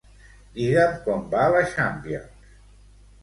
Digue'm com va la Champions.